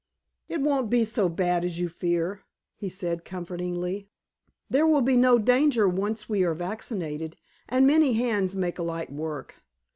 "It won't be so bad as you fear," he said comfortingly. "There will be no danger once we are vaccinated, and many hands make light work.